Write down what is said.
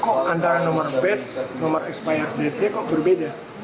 kok antara nomor batch nomor expired date nya kok berbeda